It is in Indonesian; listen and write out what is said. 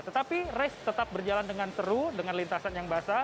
tetapi race tetap berjalan dengan seru dengan lintasan yang basah